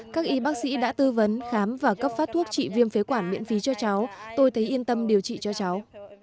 các y bác sĩ đã tư vấn khám và cấp phát thuốc trị viêm phế quản miễn phí cho cháu tôi thấy yên tâm điều trị cho cháu